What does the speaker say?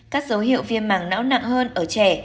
các dấu hiệu viêm mảng não nặng hơn ở trẻ